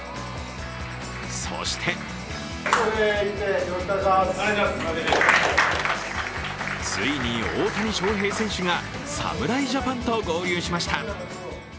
そしてついに大谷翔平選手が侍ジャパンと合流しました。